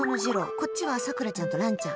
こっちはさくらちゃんと蘭ちゃん。